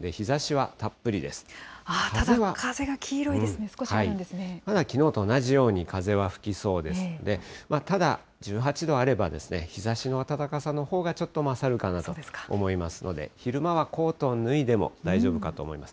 ただ、風が黄色いですね、少ただきのうと同じように風は吹きそうですので、ただ、１８度あれば、日ざしの暖かさのほうがちょっと勝るかなと思いますので、昼間はコートを脱いでも大丈夫かと思います。